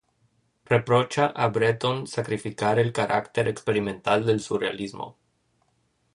Reprocha a Breton sacrificar el carácter experimental del surrealismo.